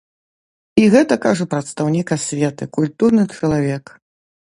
І гэта кажа прадстаўнік асветы, культурны чалавек!